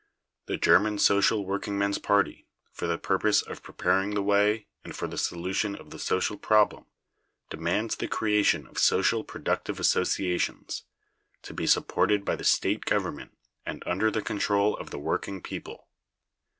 The German Social Workingmen's party, for the purpose of preparing the way, and for the solution of the social problem, demands the creation of social productive associations, to be supported by the state government, and under the control of the working people.